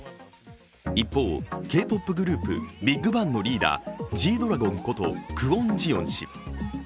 一方、Ｋ−ＰＯＰグループ、ＢＩＧＢＡＮＧのリーダー、Ｇ−ＤＲＡＧＯＮことクォン・ジヨン氏。